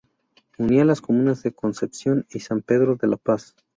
Unía las comunas de Concepción y San Pedro de la Paz.